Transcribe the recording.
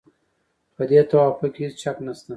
په دې توافق کې هېڅ شک نشته.